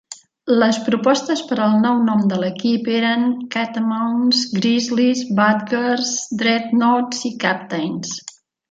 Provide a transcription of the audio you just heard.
Les propostes per al nou nom de l'equip eren "Catamounts", "Grizzlies", "Badgers", "Dreadnaughts" i "Captains".